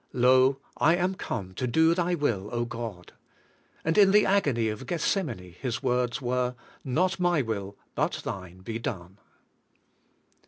"Lo, I am come to do Thy will, O God." And in the agony of Gethsem ane, His words were: "Not my will, but Thine, be done."